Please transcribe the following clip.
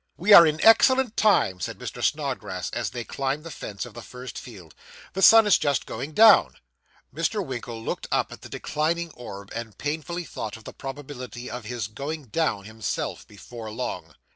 'We are in excellent time,' said Mr. Snodgrass, as they climbed the fence of the first field; 'the sun is just going down.' Mr. Winkle looked up at the declining orb and painfully thought of the probability of his 'going down' himself, before long.